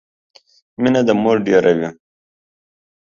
مينه د مور ډيره وي